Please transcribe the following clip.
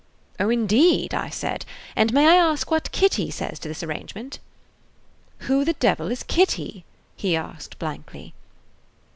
"Oh, indeed!" I said. "And may I ask what Kitty says to this arrangement!" "Who the devil is Kitty?" he asked blankly.